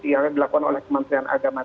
yang dilakukan oleh kementerian agama